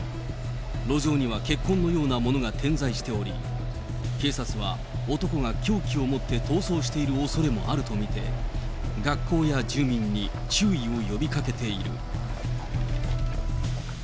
路上には血痕のようなものが点在しており、警察は、男が凶器を持って逃走しているおそれもあると見て、学校や住民に注意を呼びかけている。